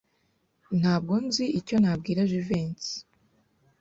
Ntabwo nzi icyo nabwira Jivency.